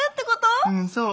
うんそう。